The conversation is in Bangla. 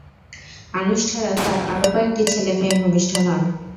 আনুশ ছাড়া তাঁর আরো কয়েকটি ছেলে-মেয়ে ভূমিষ্ঠ হন।